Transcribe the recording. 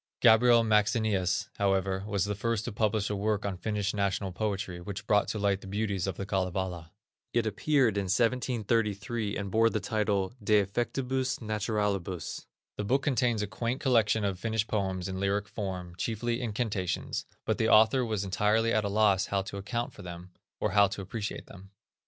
Gabriel Maxenius, however, was the first to publish a work on Finnish national poetry, which brought to light the beauties of the Kalevala. It appeared in 1733, and bore the title: De Effectibus Naturalibus. The book contains a quaint collection of Finnish poems in lyric forms, chiefly incantations; but the author was entirely at a loss how to account for them, or how to appreciate them.